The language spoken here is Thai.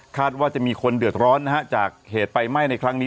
ว่าจะมีคนเดือดร้อนนะฮะจากเหตุไฟไหม้ในครั้งนี้